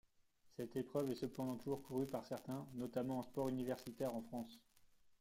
Cette épreuve est cependant toujours courue par certains, notamment en sport universitaire en France.